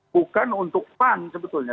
bukan untuk fun sebetulnya